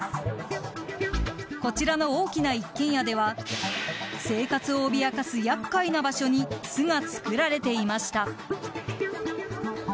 こちらの大きな一軒家では生活を脅かす厄介な場所に巣が作られていました。